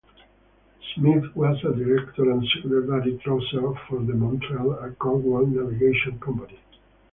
Smith was a director and secretary-treasurer for the Montreal and Cornwall Navigation Company.